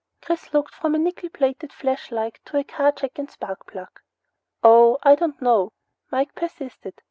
Chris looked from a nickel plated flashlight to a car jack and spark plug. "Oh I don't know." Mike persisted.